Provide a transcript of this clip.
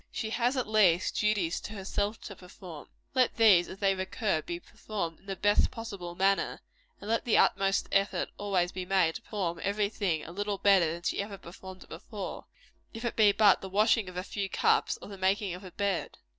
She has, at least, duties to herself to perform. Let these, as they recur, be performed in the best possible manner; and let the utmost effort always be made to perform every thing a little better than ever she performed it before if it be but the washing of a few cups, or the making of a bed.